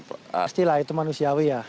pastilah itu manusiawi ya